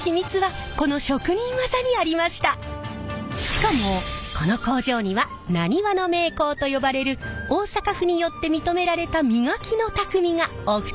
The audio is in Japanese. しかもこの工場にはなにわの名工と呼ばれる大阪府によって認められた磨きのタクミがお二人在籍。